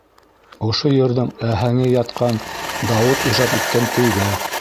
Ошо йырҙың аһәңе ятҡан Дауыт ижад иткән көйгә.